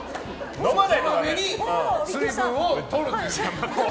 こまめに水分をとると。